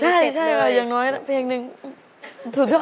อย่างน้อยเพลงหนึ่งสุดยอด